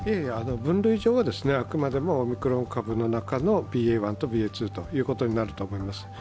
分類上はあくまでもオミクロン株の中のＢＡ．１とＢＡ．２ということになると思います。